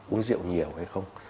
uống rượu nhiều hay không